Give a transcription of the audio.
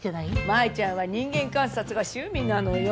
舞ちゃんは人間観察が趣味なのよ。